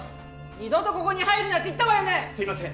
二度とここに入るなって言ったわよねすいません